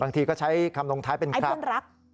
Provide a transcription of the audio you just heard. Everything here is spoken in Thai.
บางทีก็ใช้คำลงท้ายเป็นครับไอ้เพื่อนรัก